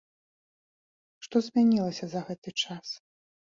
Што змянілася за гэты час?